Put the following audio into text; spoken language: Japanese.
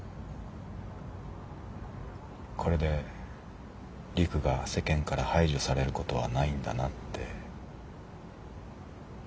これで陸が世間から排除されることはないんだなって。